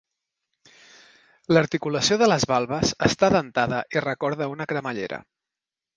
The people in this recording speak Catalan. L'articulació de les valves està dentada i recorda una cremallera.